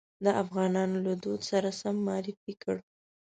د افغانانو له دود سره سم معرفي کړ.